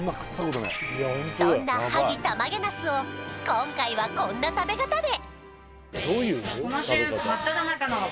そんな萩たまげなすを今回はこんな食べ方で！